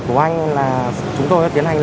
của anh là chúng tôi tiến hành